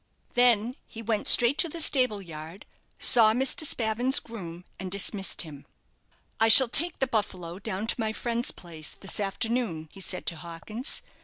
Then he went straight to the stable yard, saw Mr. Spavin's groom, and dismissed him. "I shall take the 'Buffalo' down to my friend's place this afternoon," he said to Hawkins.